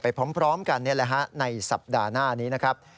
พร้อมกันในสัปดาห์หน้านี้นะครับ